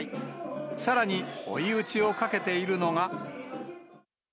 さらに追い打ちをかけているのが。